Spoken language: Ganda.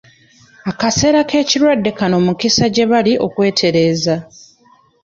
Akaseera k'ekirwadde kano mukisa gye bali okweetereza.